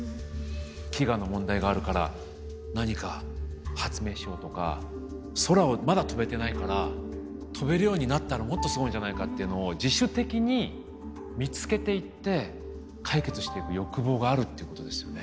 飢餓の問題があるから何か発明しようとか空をまだ飛べてないから飛べるようになったらもっとすごいんじゃないかっていうのを自主的に見つけていって解決していく欲望があるっていうことですよね。